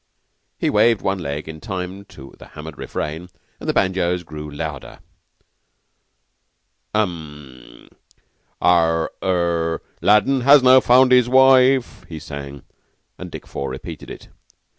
He waved one leg in time to the hammered refrain, and the banjoes grew louder. "Um! Ah! Er 'Aladdin now has won his wife,'" he sang, and Dick Four repeated it.